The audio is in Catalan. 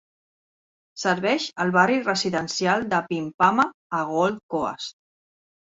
Serveix al barri residencial de Pimpama a Gold Coast.